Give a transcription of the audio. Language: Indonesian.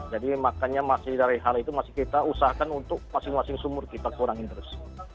jadi makanya masih dari hal itu masih kita usahakan untuk masing masing sumur kita kurangin terus